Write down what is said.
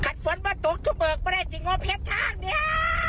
ขัดฝนมาตรงทุบเบิกไม่ได้สิงหวะเพชรทางเนี้ย